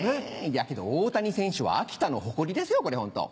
いやけど大谷選手は秋田の誇りですよこれホント。